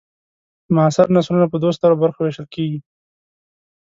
معاصر نثرونه په دوو سترو برخو وېشل کیږي.